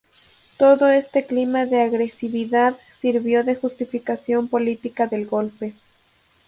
Todo este clima de agresividad sirvió de justificación política del golpe.